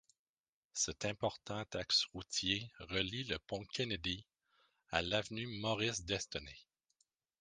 Cet important axe routier relie le pont Kennedy à l'avenue Maurice Destenay.